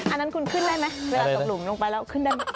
อันนั้นคุณขึ้นได้ไหมเวลาตกหลุมลงไปแล้วขึ้นได้ไหม